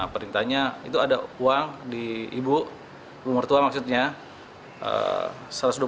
perintahnya itu ada uang di ibu ibu mertua maksudnya